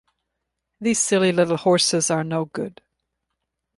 These silly little horses are no good.